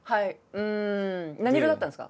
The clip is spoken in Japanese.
うん何色だったんですか？